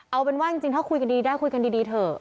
เอาเป็นว่าจริงถ้าคุยกันดีได้คุยกันดีเถอะ